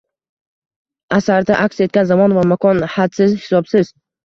asarda aks etgan zamon va makon hadsiz-hisobsiz